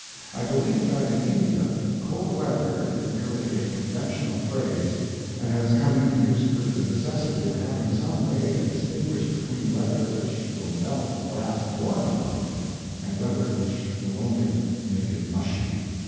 I believe that in India "cold weather" is merely a conventional phrase and has come into use through the necessity of having some way to distinguish between weather which will melt a brass door knob and weather which will only make it mushy.